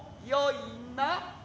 よいな。